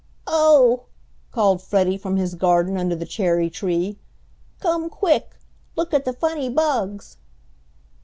"Oh," called Freddie from his garden under the cherry tree, "come quick! Look at the funny bugs!"